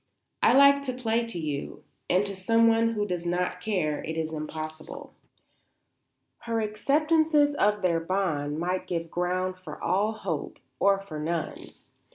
"I like to play to you; and to someone who does not care it is impossible." Her acceptances of their bond might give ground for all hope or for none.